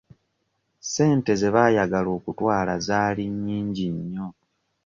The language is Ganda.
Ssente ze baayagala okutwala zaali nnyingi nnyo.